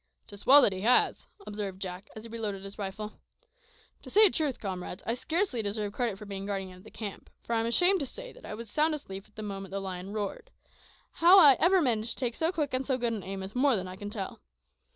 "'Tis well that he has," observed Jack, as he reloaded his rifle. "To say truth, comrades, I scarcely deserve credit for being guardian of the camp, for I'm ashamed to say that I was sound asleep at the moment the lion roared. How I ever managed to take so quick and so good an aim is more than I can tell.